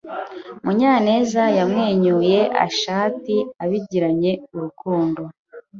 Munyanez yamwenyuye Ashanti abigiranye urukundo.